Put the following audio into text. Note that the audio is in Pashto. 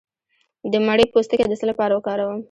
د مڼې پوستکی د څه لپاره وکاروم؟